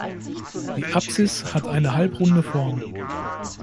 Die Apsis hat eine halbrunde Form.